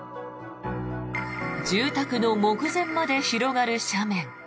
住宅の目前まで広がる斜面。